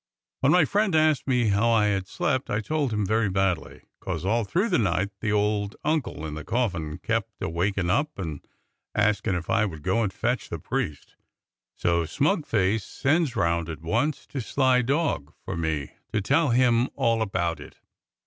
When my friend asked me how I had slept I told him very badly, 'cos all through the night the old uncle in the coffin kept awakin' up and askin' if I would go and fetch the priest. So smug face sends round at once to sly dog for me to tell him all about it.